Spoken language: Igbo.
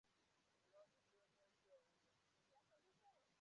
na ọtụtụ ebe ndị ọzọ.